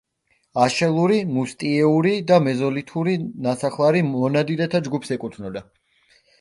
აშელური, მუსტიეური და მეზოლითური ნასახლარი მონადირეთა ჯგუფს ეკუთვნოდა.